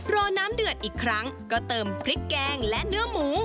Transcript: รอน้ำเดือดอีกครั้งก็เติมพริกแกงและเนื้อหมู